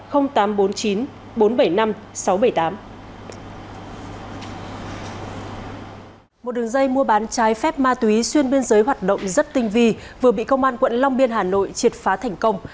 một đường dây mua bán trái phép ma túy xuyên biên giới hoạt động rất tinh vi vừa bị công an quận long biên hà nội triệt phá thành công